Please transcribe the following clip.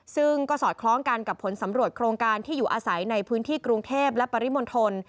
ซึ่งก็สอดคล้องกันกับผลสำรวจโครงการที่อยู่อาศัยในพื้นที่กรุงเทพและปริมณฑล